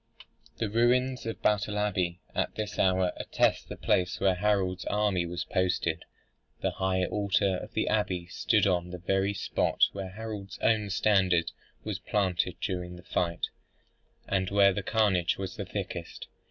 The ruins of Battle Abbey at this hour attest the place where Harold's army was posted. The high altar of the abbey stood on the very spot where Harold's own standard was planted during the fight, and where the carnage was the thickest.